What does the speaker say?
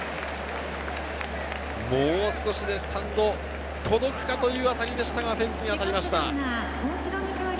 もう少しでスタンドに届くか？という当たりでしたが、フェンスに当たりました。